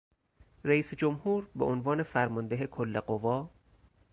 رئیس جمهور به عنوان فرمانده کل قوا